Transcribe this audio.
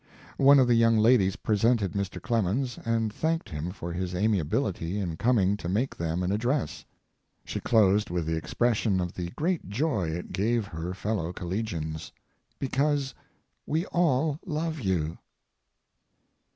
One of the young ladies presented Mr. Clemens, and thanked him for his amiability in coming to make them an address. She closed with the expression of the great joy it gave her fellow collegians, "because we all love you."